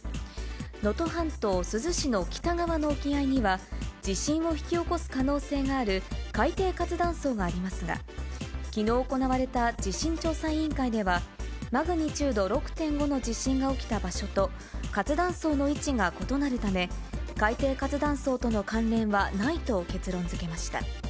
能登半島、珠洲市の北側の沖合には、地震を引き起こす可能性がある海底活断層がありますが、きのう行われた地震調査委員会では、マグニチュード６．５の地震が起きた場所と、活断層の位置が異なるため、海底活断層との関連はないと結論づけました。